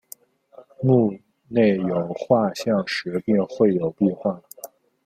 墓内有画像石并绘有壁画。